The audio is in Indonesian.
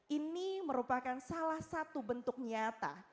ini merupakan salah satu bentuk nyata